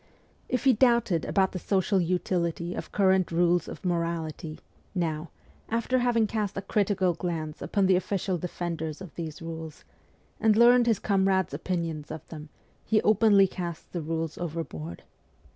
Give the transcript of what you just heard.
If he doubted about the social utility of current rules of morality, now, after having cast a critical glance upon the official defenders of these rules, and learned his comrades' opinions of them, he openly casts the rules overboard.